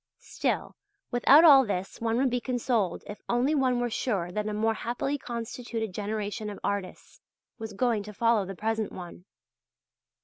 Still without all this one would be consoled if only one were sure that a more happily constituted generation of artists was going to follow the present one.